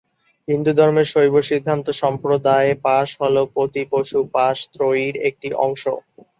হিন্দুধর্মের শৈব সিদ্ধান্ত সম্প্রদায়ে পাশ হল ‘পতি-পশু-পাশ’ ত্রয়ীর একটি অংশ।